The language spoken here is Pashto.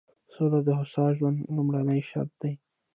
سوله د هوسا ژوند لومړنی شرط دی.